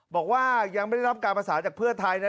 บอกว่ายังไม่ได้รับการประสานจากเพื่อไทยนะ